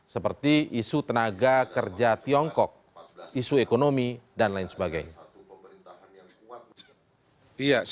seperti isu tenaga kerja tiongkok isu ekonomi dan lain sebagainya